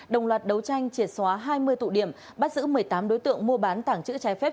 đồng loạt đấu tranh triệt xóa hai mươi tụ điểm bắt giữ một mươi tám đối tượng mua bán tảng chữ trái phép